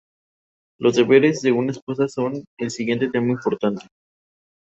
En la parte inferior figura el lema de la ciudad.